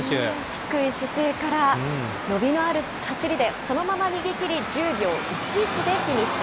低い姿勢から伸びのある走りでそのまま逃げ切り、１０秒１１でフィニッシュ。